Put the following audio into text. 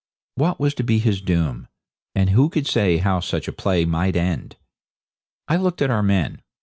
What was to be his doom? And who could say how such a play might end? I looked at our men.